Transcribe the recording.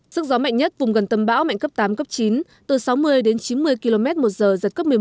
sức gió mạnh nhất vùng gần tâm bão mạnh cấp tám cấp chín từ sáu mươi đến chín mươi km một giờ giật cấp một mươi một